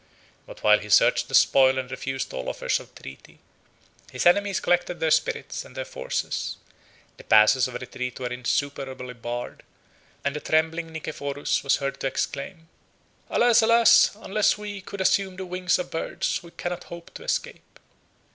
But while he searched the spoil and refused all offers of treaty, his enemies collected their spirits and their forces: the passes of retreat were insuperably barred; and the trembling Nicephorus was heard to exclaim, "Alas, alas! unless we could assume the wings of birds, we cannot hope to escape."